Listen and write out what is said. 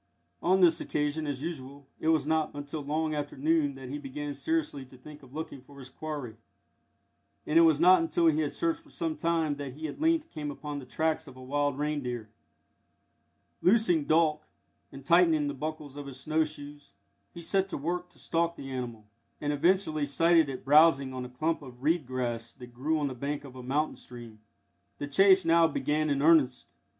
On this occasion, as usual, it was not until long after noon that he began seriously to think of looking for his quarry, and it was not until he had searched for some time that he at length came upon the tracks of a wild reindeer. Loosing Dolk, and tightening the buckles of his snow shoes, he set to work to stalk the animal, and eventually sighted it browsing on a clump of reed grass that grew on the bank of a mountain stream. The chase now began in earnest.